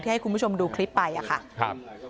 ให้คุณผู้ชมดูคลิปไปอะค่ะครับ